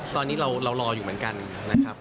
ตอนนี้เรารออยู่เหมือนกันนะครับ